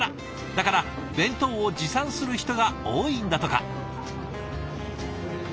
だから弁当を持参する人が多いんだとか。